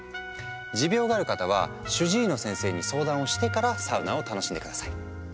持病がある方は主治医の先生に相談をしてからサウナを楽しんで下さい。